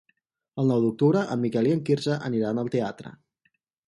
El nou d'octubre en Miquel i en Quirze aniran al teatre.